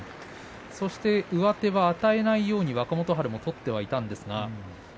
そして上手は与えないように、若元春が取っていましたが。